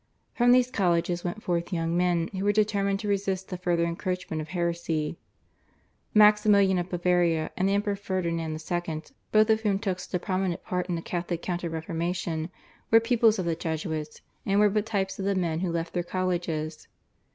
From these colleges went forth young men who were determined to resist the further encroachments of heresy. Maximilian of Bavaria and the Emperor Ferdinand II., both of whom took such a prominent part in the Catholic Counter Reformation, were pupils of the Jesuits, and were but types of the men who left their colleges.